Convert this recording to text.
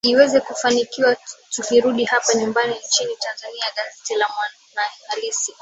iweze kufanikiwa tukirudi hapa nyumbani nchini tanzania gazeti la mwanahalisi